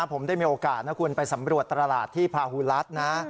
ผมได้มีโอกาสนะคุณไปสำรวจตลาดที่พาฮูรัสนะ